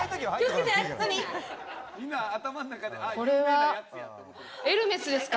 これはエルメスですか？